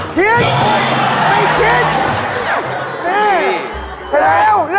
คิด